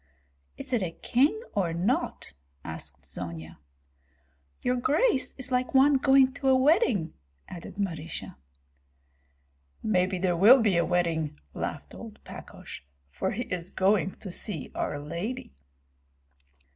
"Is it a king or not?" asked Zonia. "Your grace is like one going to a wedding," added Marysia. "Maybe there will be a wedding," laughed old Pakosh, "for he is going to see our lady."